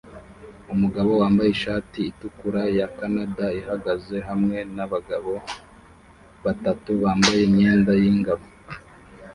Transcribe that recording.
umugabo wambaye ishati itukura ya canada ihagaze hamwe nabagabo batatu bambaye imyenda yingabo